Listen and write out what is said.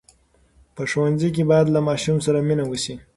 په ښوونځي کې باید له ماشوم سره مینه وسي.